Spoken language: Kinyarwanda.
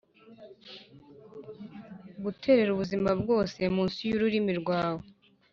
guterera ubuzima bwose munsi y'ururimi rwawe! -